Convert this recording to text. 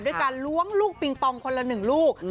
ด้วยการล้วงลูกปิงปองคนละ๑ลูก